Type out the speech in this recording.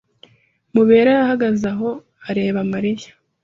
Mubera yahagaze aho areba Mariya.